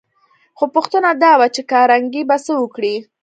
خو پوښتنه دا وه چې کارنګي به څه وکړي